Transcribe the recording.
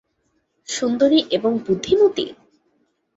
সুন্দরী এবং বুদ্ধিমতী?